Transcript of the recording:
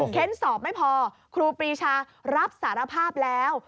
สอบไม่พอครูปรีชารับสารภาพแล้ว